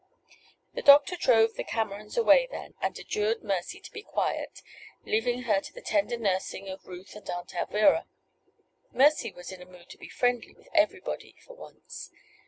The doctor drove the Camerons away then, and adjured Mercy to be quiet, leaving her to the tender nursing of Ruth and Aunt Alvirah. Mercy was in a mood to be friendly with everybody for once.